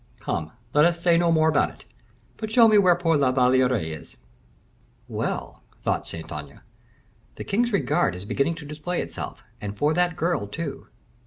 Come, let us say no more about it, but show me where poor La Valliere is." "Well," thought Saint Aignan, "the king's regard is beginning to display itself, and for that girl too.